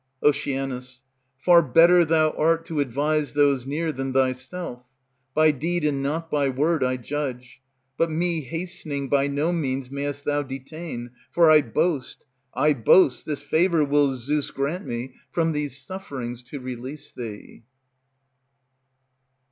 Oc. Far better thou art to advise those near Than thyself; by deed and not by word I judge. But me hastening by no means mayest thou detain, For I boast, I boast, this favor will Zeus Grant me, from these sufferings to release thee.